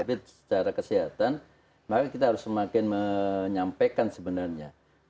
tapi secara kesehatan maka kita harus semakin menyampaikan sebenarnya